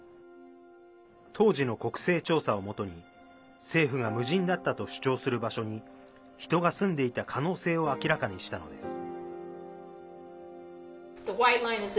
当時の国勢調査をもとに、政府が無人だったと主張する場所に人が住んでいた可能性を明らかにしたのです。